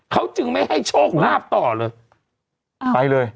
เขาจึงไม่ให้โชคเนรับต่อเลย